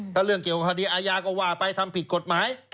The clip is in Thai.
ถ้าเรื่องเกี่ยวกับคดีอาญาก็ว่าไปทำผิดกฎหมาย